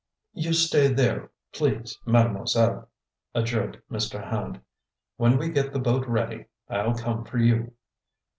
"You stay there, please, Mademoiselle," adjured Mr. Hand. "When we get the boat ready, I'll come for you."